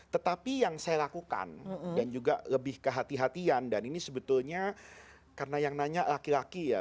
tetapi yang saya lakukan dan juga lebih kehatian dan ini sebetulnya karena yang nanya laki laki ya